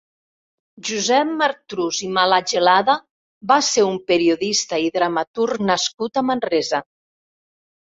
Josep Martrus i Malagelada va ser un periodista i dramaturg nascut a Manresa.